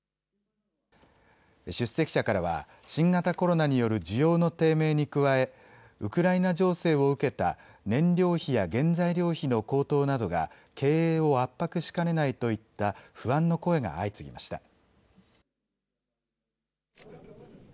出席者からは新型コロナによる需要の低迷に加えウクライナ情勢を受けた燃料費や原材料費の高騰などが経営を圧迫しかねないといった不安の声が相次ぎました。